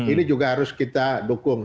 ini juga harus kita dukung